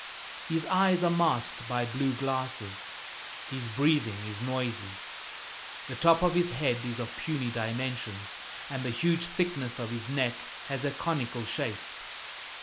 His eyes are masked by blue glasses; his breathing is noisy. The top of his head is of puny dimensions, and the huge thickness of his neck has a conical shape.